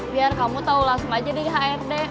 biar kamu tau lasma aja di hrd